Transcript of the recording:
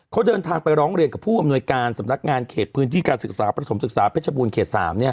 เขาเดินทางไปร้องเรียนกับผู้อำนวยการสำนักงานเขตพื้นที่การศึกษาประถมศึกษาเพชรบูรณเขต๓